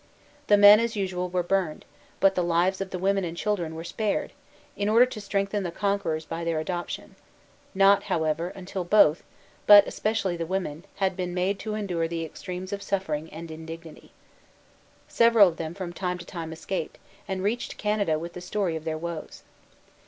The men, as usual, were burned; but the lives of the women and children were spared, in order to strengthen the conquerors by their adoption, not, however, until both, but especially the women, had been made to endure the extremes of suffering and indignity. Several of them from time to time escaped, and reached Canada with the story of their woes.